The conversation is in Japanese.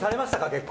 結構。